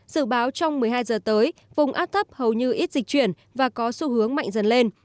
dự báo trong một mươi hai giờ tới vùng áp thấp hầu như ít dịch chuyển và có xu hướng mạnh dần lên